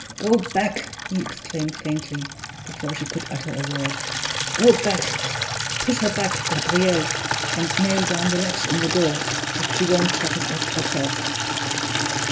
"Go back!" he exclaimed faintly, before she could utter a word; "go back push her back, Gabriel, and nail down the latch in the door, if she won't shut it of herself!"